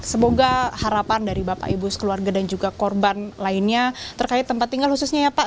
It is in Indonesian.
semoga harapan dari bapak ibu sekeluarga dan juga korban lainnya terkait tempat tinggal khususnya ya pak